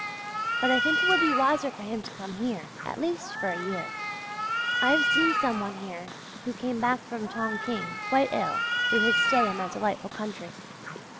But I think it would be wiser for him to come here, at least for a year. I have seen some one here who came back from Tongking quite ill through his stay in that delightful country.